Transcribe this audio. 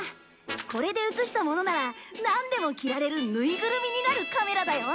これで写したものならなんでも着られるぬいぐるみになるカメラだよ。